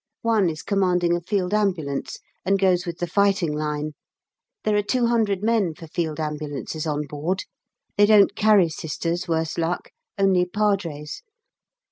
One is commanding a Field Ambulance and goes with the fighting line. There are 200 men for Field Ambulances on board. They don't carry Sisters, worse luck, only Padres.